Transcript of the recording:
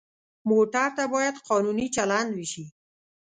موټر ته باید قانوني چلند وشي.